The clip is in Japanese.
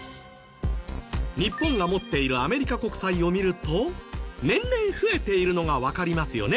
日本が持っているアメリカ国債を見ると年々増えているのがわかりますよね。